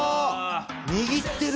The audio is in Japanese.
握ってる。